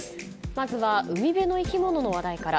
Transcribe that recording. まずは海辺の生き物の話題から。